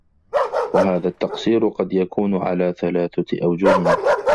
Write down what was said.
وَهَذَا التَّقْصِيرُ قَدْ يَكُونُ عَلَى ثَلَاثَةِ أَوْجُهٍ